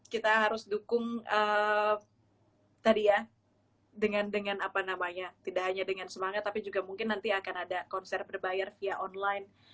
kita harus dukung tadi ya dengan apa namanya tidak hanya dengan semangat tapi juga mungkin nanti akan ada konser berbayar via online